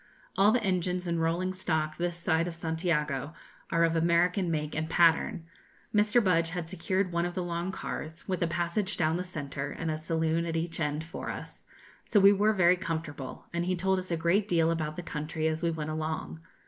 All the engines and rolling stock this side of Santiago are of American make and pattern. Mr. Budge had secured one of the long cars, with a passage down the centre, and a saloon at each end, for us, so we were very comfortable, and he told us a great deal about the country as we went along.